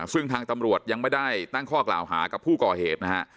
ซึ่งทางตำรวจยังไม่ได้ตั้งข้อกล่าวหากับผู้ก่อเหตุนะฮะ